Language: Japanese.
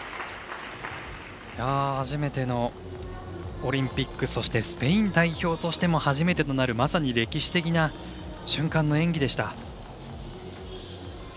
初めてのオリンピックそして、スペイン代表としても初めてとなる歴史的な瞬間の演技でした。